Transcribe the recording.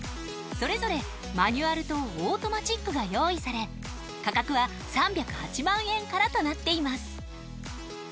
それぞれマニュアルとオートマチックが用意され価格は３０８万円からとなっています。